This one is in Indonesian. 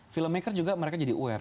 filmmaker juga mereka jadi aware